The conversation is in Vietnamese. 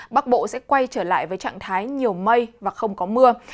bắc bộ sẽ quay trở lại với trạng thái nhiều mây và không có mưa